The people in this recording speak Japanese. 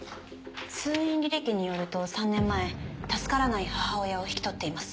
通院履歴によると３年前助からない母親を引き取っています。